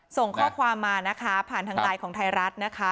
ส่งข้อความมานะคะผ่านทางไลน์ของไทยรัฐนะคะ